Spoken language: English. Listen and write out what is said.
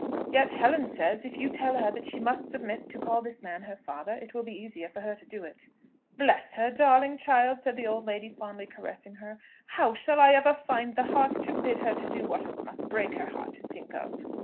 Yet, Helen says, if you tell her that she must submit to call this man her father, it will be easier for her to do it." "Bless her, darling child!" said the old lady, fondly caressing her; "how shall I ever find the heart to bid her do what it must break her heart to think of?"